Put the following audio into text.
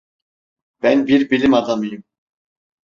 Ben bir bilim adamıyım.